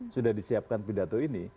sudah disiapkan pidato ini